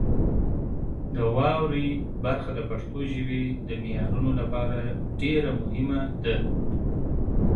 د واورئ برخه د پښتو ژبې د معیارونو لپاره ډېره مهمه ده.